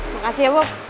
makasih ya bob